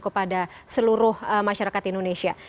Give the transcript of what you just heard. kepada seluruh masyarakat indonesia